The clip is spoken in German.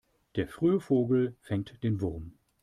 Der frühe Vogel fängt den Wurm.